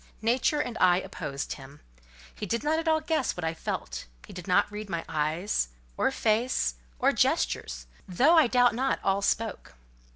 Nature and I opposed him. He did not at all guess what I felt: he did not read my eyes, or face, or gestures; though, I doubt not, all spoke.